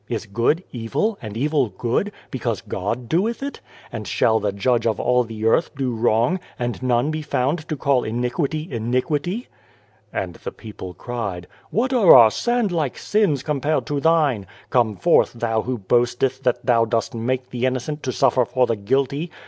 Is good evil, and evil good, because God doeth it ? And shall the Judge of all the earth do wrong, and none be found to call iniquity, iniquity ?" And the people cried :" What are our sand like sins compared to Thine ? Come forth Thou who boasteth that Thou dost make the innocent to suffer for the guilty